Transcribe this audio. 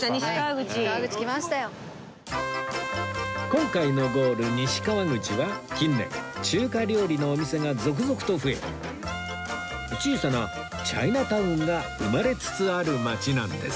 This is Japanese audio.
今回のゴール西川口は近年中華料理のお店が続々と増え小さなチャイナタウンが生まれつつある街なんです